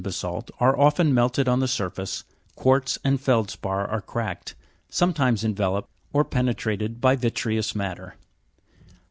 basa'lt are often melted on the surface, quartz and feldspar are cracked, sometimes enveloped or penetrated by vitreous matter.